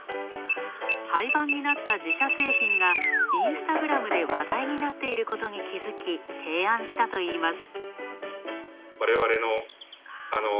廃盤になった自社製品がインスタグラムで話題になっていることに気づき、提案したといいます。